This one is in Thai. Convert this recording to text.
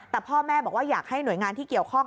แต่พ่อแม่บอกว่าอยากให้หน่วยงานที่เกี่ยวข้อง